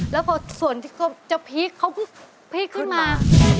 แล้วก็ส่วนที่เขาจะพีกพีกขึ้นมา